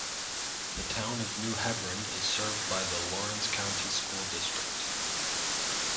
The Town of New Hebron is served by the Lawrence County School District.